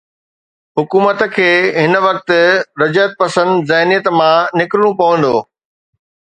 حڪومت کي هن وقت رجعت پسند ذهنيت مان نڪرڻو پوندو.